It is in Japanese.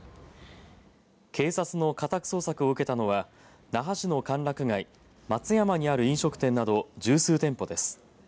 警察の家宅捜索を受けたのは那覇市の歓楽街松山にある飲食店など十数店舗です。